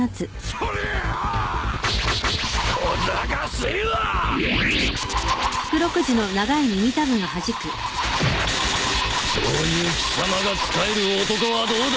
そういう貴様が仕える男はどうだ？